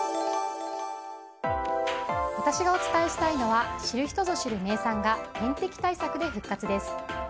私がお伝えしたいのは知る人ぞ知る名産が天敵対策で復活です。